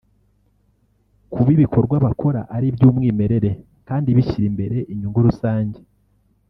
kuba ibikorwa bakora ari iby’umwimerere kandi bishyira imbere inyungu rusange